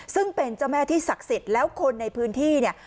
ซึ่งเป็นเจ้าแม่ที่ศักดิ์สิทธิ์แล้วคนในพื้นที่เนี่ย